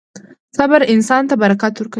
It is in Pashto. • صبر انسان ته برکت ورکوي.